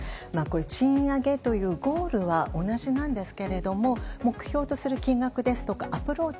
賃上げというゴールは同じなんですけれども目標とする金額ですとかアプローチ